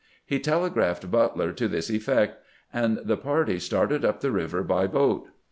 He telegraphed Butler to this effect, and the party started up the river by boat.